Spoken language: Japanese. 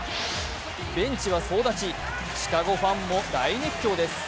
ベンチは総立ち、シカゴファンも大熱狂です。